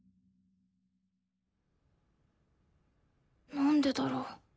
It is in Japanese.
なんでだろう？